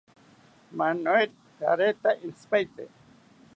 Manuel rareta intzipaete